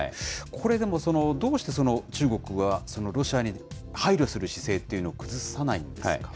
これでも、どうして中国はロシアに配慮する姿勢っていうのを崩さないんですか。